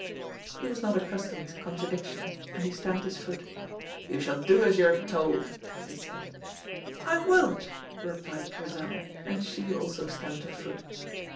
He was not accustomed to contradiction, and he stamped his foot. "You shall do as you are told," he said. "I won't!" replied Grizel, and she also stamped her foot.